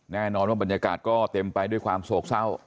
แน่นอนว่าบรรยากาศก็เต็มไปด้วยความโศกเศร้า